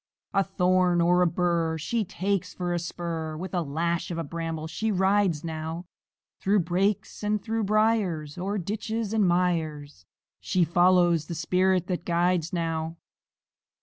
A thorn or a bur She takes for a spur; With a lash of a bramble she rides now, Through brakes and through briars, O'er ditches and mires, She follows the spirit that guides now.